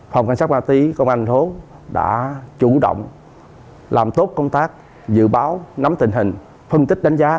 phòng cảnh sát ma túy công an thành phố đã chủ động làm tốt công tác dự báo nắm tình hình phân tích đánh giá